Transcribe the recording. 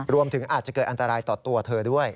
รวมถึงอาจจะเกิดอันตรายต่อตัวเธอด้วย